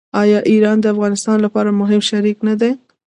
آیا ایران د افغانستان لپاره مهم شریک نه دی؟